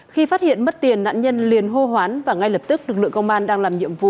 khi phát hiện mất tiền nạn nhân liền hô hoán và ngay lập tức lực lượng công an đang làm nhiệm vụ